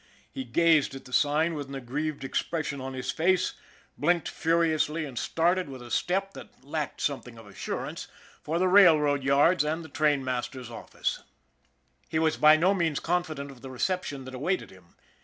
He gazed at the sign with an aggrieved expression on his face, blinked furiously, and started, with a step that lacked some thing of assurance, for the railroad yards and the train master's office. ioo ON THE IRON AT BIG CLOUD He was by no means confident of the reception that awaited him.